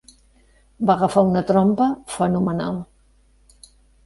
Va agafar una trompa fenomenal.